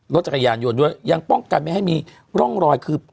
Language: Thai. รถจักรยานโยนยังป้องกันให้มีร่องรอยคือ